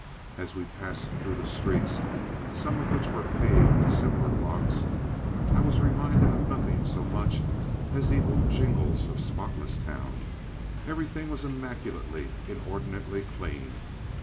As we passed through the streets, some of which were paved with similar blocks, I was reminded of nothing so much as the old jingles of Spotless Town. Everything was immaculately, inordinately clean.